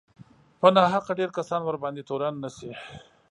په ناحقه ډېر کسان ورباندې تورن نه شي